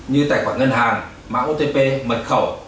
như tài khoản ngân hàng mã otp mật khẩu